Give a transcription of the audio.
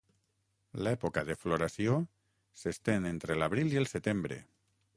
L'època de floració s'estén entre l'abril i el setembre.